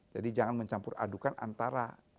jadi jangan mencampur adukan antara